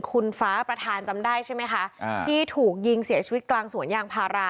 คุณฟ้าประธานจำได้ใช่ไหมคะอ่าที่ถูกยิงเสียชีวิตกลางสวนยางพารา